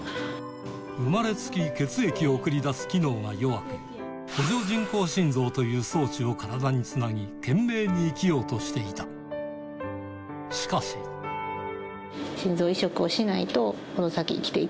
生まれつき血液を送り出す機能が弱くという装置を体につなぎ懸命に生きようとしていたしかしっていう診断で。